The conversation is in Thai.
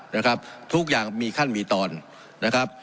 นะครับทุกอย่างมีขั้นมีตอนนะครับ